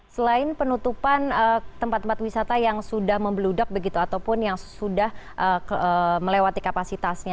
selain penutupan tempat tempat wisata yang sudah membeludak begitu ataupun yang sudah melewati kapasitasnya